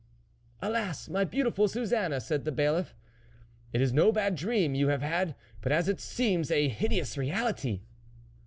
" Alas ! my beautiful Suzanne," said the Bailiff, " it is no bad dream you have had, but, as it seems, a hideous reality."